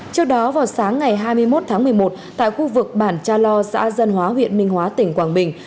trước đó vào sáng ngày hai mươi một tháng một mươi một tại khu vực bản cha lo xã dân hóa huyện minh hóa tỉnh quảng bình